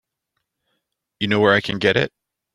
You know where I can get it?